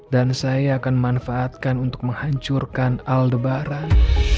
dan saya akan manfaatkan untuk menghancurkan aldebaran